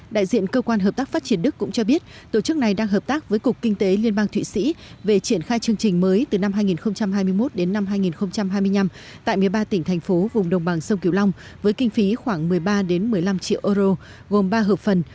đại diện cơ quan hợp tác phát triển đức cũng cho biết tổ chức này đang hợp tác với cục kinh tế liên bang thụy sĩ về triển khai chương trình mới từ năm hai nghìn hai mươi một đến năm hai nghìn hai mươi năm tại một mươi ba tỉnh thành phố vùng đồng bằng sông kiều long với kinh phí khoảng một mươi ba một mươi năm triệu euro gồm ba hợp phần